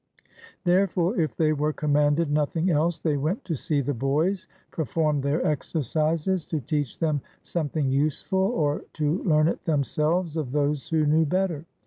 Therefore if they were commanded nothing else, they went to see the boys perform their exercises, to teach them something useful or to learn it themselves of those who knew better.